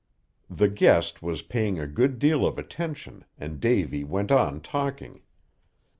The guest was paying a good deal of attention, and Davy went on talking.